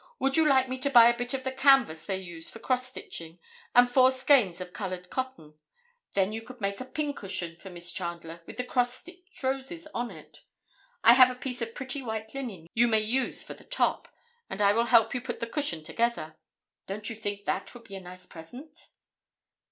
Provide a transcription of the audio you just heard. "Would you like me to buy a bit of the canvas they use for cross stitching, and four skeins of colored cotton? Then you could make a pincushion for Miss Chandler with the cross stitched roses on it. I have a piece of pretty white linen you may use for the top, and I will help you put the cushion together. Don't you think that would be a nice present?"